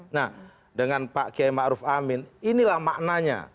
nah dengan pak kiai ma'ruf amin inilah maknanya